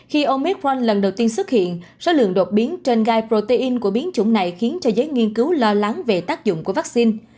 khi ông miếc frank lần đầu tiên xuất hiện số lượng đột biến trên gai protein của biến chủng này khiến cho giới nghiên cứu lo lắng về tác dụng của vaccine